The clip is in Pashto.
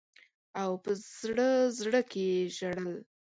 او په زړه زړه کي ژړل.